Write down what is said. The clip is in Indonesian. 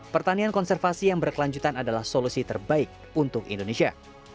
pertanian konservasi yang berkelanjutan adalah solusi terbaik untuk indonesia